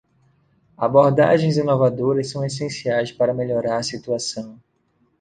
Abordagens inovadoras são essenciais para melhorar a situação.